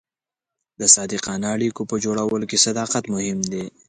د صادقانه اړیکو په جوړولو کې صداقت مهم دی.